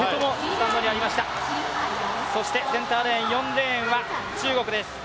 そしてセンターレーン、４レーンは中国です。